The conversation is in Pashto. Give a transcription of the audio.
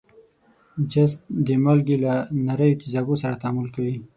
جست د مالګې له نریو تیزابو سره تعامل کوي.